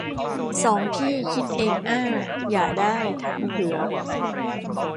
สองพี่คิดเองอ้า อย่าได้ถามเผือ